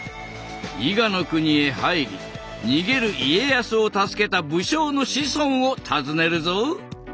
伊賀の国へ入り逃げる家康を助けた武将の子孫を訪ねるぞ。